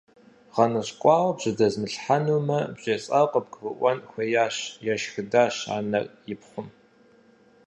ГъэныщкӀуауэ бжьэдэзмылъхьэнумэ, бжесӀар къыбгурыӀуэн хуеящ, – ешхыдащ анэр и пхъум.